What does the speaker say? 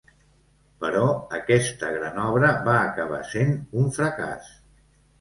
Però aquesta gran obra va acabar sent un fracàs.